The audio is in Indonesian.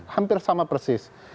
hampir sama persis